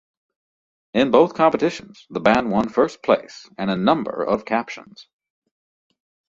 In both competitions, the band won first place and a number of captions.